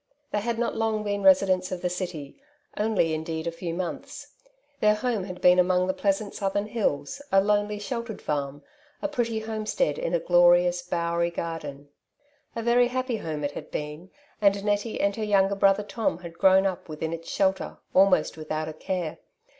They had not long been residents of the city, only indeed a few months. Their home had been among the pleasant southern hills, a lonely sheltered farm, a pretty homestead in a glorious bowery garden. A very happy home it had been, and Nettie and her younger brother Tom had grown up within its shelter almost without a care.